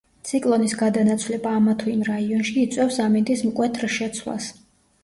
ციკლონის გადანაცვლება ამა თუ იმ რაიონში იწვევს ამინდის მკვეთრ შეცვლას.